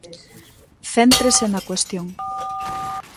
Céntrese na cuestión.